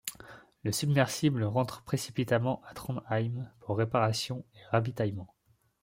Le submersible rentre précipitamment à Trondheim, pour réparations et ravitaillement.